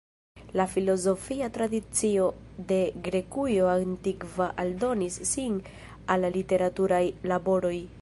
La filozofia tradicio de Grekujo antikva aldonis sin al la literaturaj laboroj.